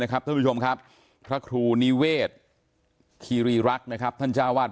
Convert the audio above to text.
ท่านผู้ชมครับพระครูนิเวศคีรีรักษ์นะครับท่านเจ้าวาด